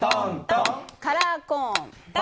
カラーコーン。